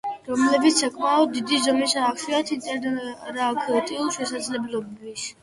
რომლებიც საკმაოდ დიდი ზომისაა, ხშირად ინტერაქტიული შესაძლებლობის.